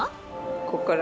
ここから。